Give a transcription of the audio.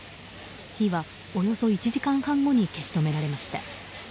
火は、およそ１時間半後に消し止められました。